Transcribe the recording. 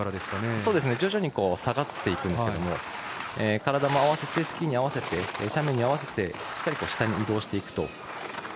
徐々に下がっていくんですけども体もスキーに合わせて斜面に合わせてしっかり下に移動していくと。